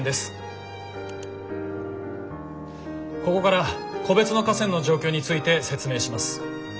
ここから個別の河川の状況について説明します。